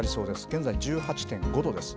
現在１８．５度です。